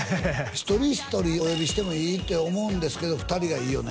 １人１人お呼びしてもいいって思うんですけど２人がいいよね